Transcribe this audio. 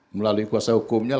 melalui kuasa hukumnya